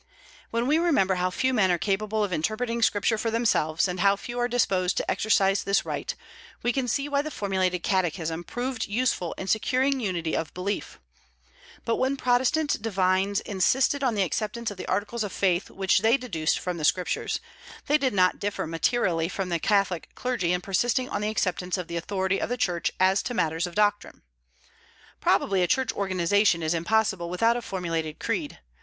When we remember how few men are capable of interpreting Scripture for themselves, and how few are disposed to exercise this right, we can see why the formulated catechism proved useful in securing unity of belief; but when Protestant divines insisted on the acceptance of the articles of faith which they deduced from the Scriptures, they did not differ materially from the Catholic clergy in persisting on the acceptance of the authority of the Church as to matters of doctrine. Probably a church organization is impossible without a formulated creed.